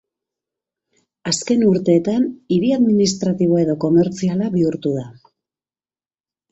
Azken urteetan hiri administratiboa eta komertziala bihurtu da.